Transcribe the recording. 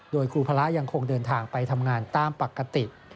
โดยครูพระยังคงเดินทางไปทำงานตามปกติ